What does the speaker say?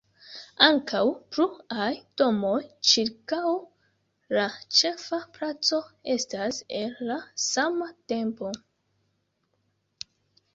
Ankaŭ pluaj domoj ĉirkaŭ la ĉefa placo estas el la sama tempo.